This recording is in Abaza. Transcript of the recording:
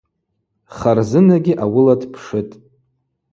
Харзынагьи ауыла дпшытӏ.